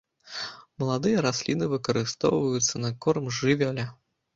Маладыя расліны выкарыстоўваюцца на корм жывёле.